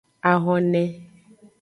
Ahone.